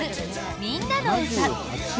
「みんなのうた」。